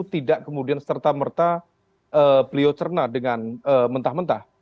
tidak kemudian serta merta beliau cerna dengan mentah mentah